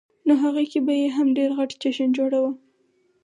نوهغې کې به یې هم ډېر غټ جشن جوړاوه.